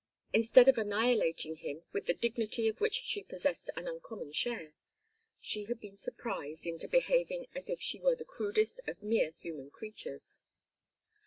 Instead of annihilating him with the dignity of which she possessed an uncommon share, she had been surprised into behaving as if she were the crudest of mere human creatures.